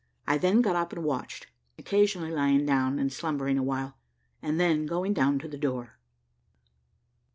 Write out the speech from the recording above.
I then got up and watched, occasionally lying down and slumbering awhile, and then going down to the door.